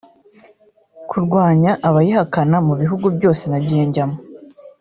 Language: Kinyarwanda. Kurwanya abayihakana mu bihugu byose nagiye njyamo